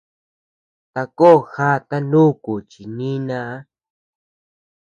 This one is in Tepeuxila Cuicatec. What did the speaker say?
Takó jata nùùku chi nínaa.